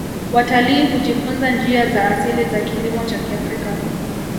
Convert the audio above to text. Watalii hujifunza njia za asili za kilimo cha kiafrika